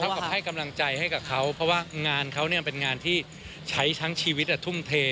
กับให้กำลังใจให้กับเขาเพราะว่างานเขาเนี่ยเป็นงานที่ใช้ทั้งชีวิตทุ่มเท